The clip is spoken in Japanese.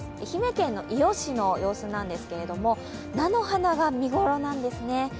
愛媛県の伊予市の様子なんですけれども、菜の花が見頃なんですね。